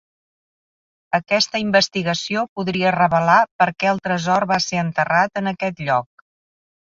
Aquesta investigació podria revelar per què el tresor va ser enterrat en aquest lloc.